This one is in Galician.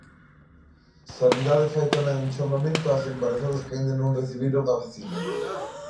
Sanidade fai tamén un chamamento ás embarazadas que aínda non recibiron a vacina.